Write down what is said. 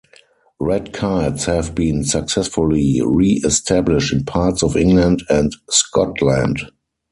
Red kites have been successfully re-established in parts of England and Scotland.